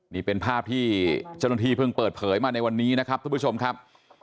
นี่เป็นภาพที่เจ้าหน้าที่เพิ่งเปิดเผยมาในวันนี้นะครับทุกผู้ชมครับ